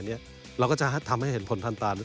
เราก็จะทำให้เห็นผลต่าง